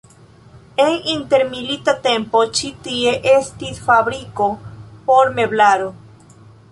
En intermilita tempo ĉi tie estis fabriko por meblaro.